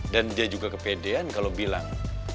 dan dia juga kepedean kalau bilang